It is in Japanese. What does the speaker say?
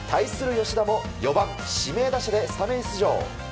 吉田も４番指名打者でスタメン出場。